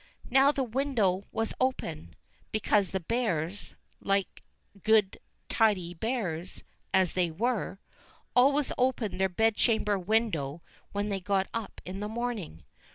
Now the window was open, because the Bears, like good, tidy Bears, as they were, always opened their bedchamber win dow when they got up in the morning.